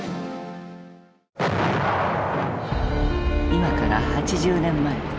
今から８０年前。